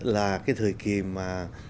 là cái thời kỳ mà